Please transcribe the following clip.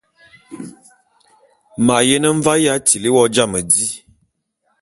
M’ ayene mvae ya tili wo jam di.